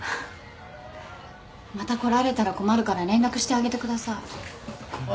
また来られたら困るから連絡してあげてください。